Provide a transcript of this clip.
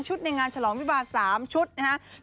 ในงานฉลองวิบา๓ชุดนะครับ